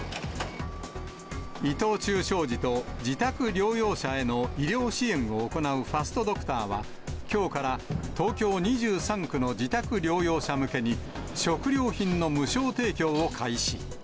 伊藤忠商事と自宅療養者への医療支援を行うファストドクターは、きょうから東京２３区の自宅療養者向けに、食料品の無償提供を開始。